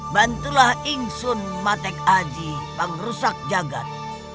bantulah inksun matek aji pangrusak jagat